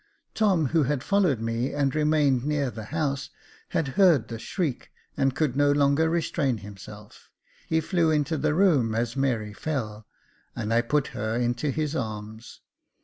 Tom, who had followed me, and remained near the house, had heard the shriek, and could no longer restrain himself ; he flew into the room as Mary fell, and I put her into his arms.